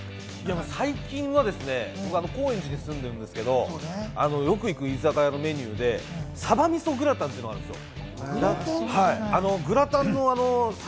最近はですね、高円寺に住んでるんですけど、よく行く居酒屋のメニューでサバ味噌グラタンっていうのがあるんですよ。